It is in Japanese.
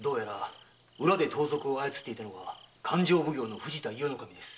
裏で盗賊を操っていたのは勘定奉行・藤田伊予守です。